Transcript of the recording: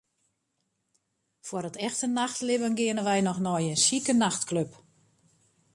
Foar it echte nachtlibben geane wy noch nei in sjike nachtklup.